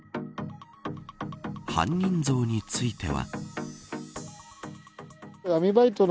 犯人像については。